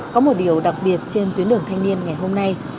có một điều đặc biệt trên tuyến đường thanh niên ngày hôm nay